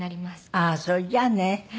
ああそれじゃあね。